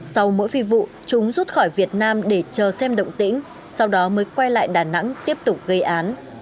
sau mỗi phi vụ chúng rút khỏi việt nam để chờ xem động tĩnh sau đó mới quay lại đà nẵng tiếp tục gây án